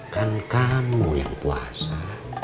kan kamu yang puasa